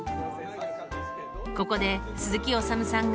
ここで鈴木おさむさんが。